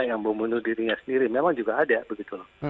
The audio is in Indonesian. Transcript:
yang membunuh dirinya sendiri memang juga ada begitu loh